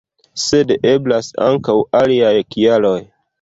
Sed eblas ankaŭ aliaj kialoj.